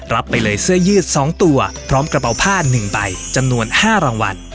ไปเลยเสื้อยืด๒ตัวพร้อมกระเป๋าผ้า๑ใบจำนวน๕รางวัล